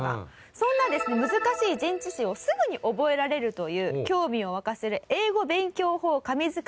そんなですね難しい前置詞をすぐに覚えられるという興味を湧かせる英語勉強法神図解。